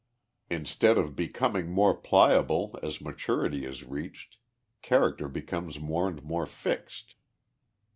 Instead of becoming more pliable as maturity is reached, character becomes more and more fixed.